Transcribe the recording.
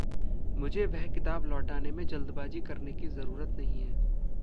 मुझे वह किताब लौटाने में जल्द-बाज़ी करने की ज़रूरत नहीं है।